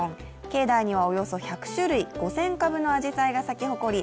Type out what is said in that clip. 境内にはおよそ１００種類、５０００株のあじさいが咲き誇り